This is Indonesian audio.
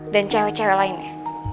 dan cewek cewek lainnya